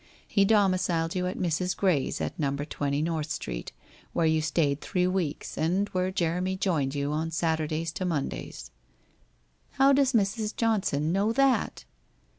He domiciled you at Mrs. Gray's at No. 20 Xorth Street, where you stayed three weeks, and where Jeremy joined you on Saturdays, to Mondays/ ' How does Mrs. Johnson know that